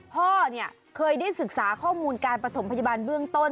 พ่อเนี่ยเคยได้ศึกษาข้อมูลการประถมพยาบาลเบื้องต้น